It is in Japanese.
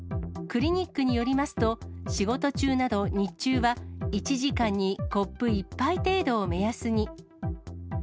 クリニックによりますと、仕事中など、日中は１時間にコップ１杯程度を目安に。